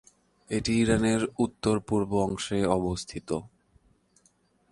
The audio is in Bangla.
এটি ইরানের উত্তর-পূর্ব অংশে অবস্থিত।